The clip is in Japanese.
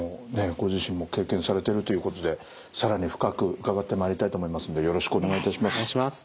ご自身も経験されてるということで更に深く伺ってまいりたいと思いますんでよろしくお願いいたします。